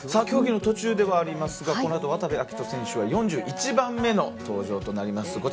競技の途中ではありますがこのあと渡部暁斗選手が４１番目の登場となります。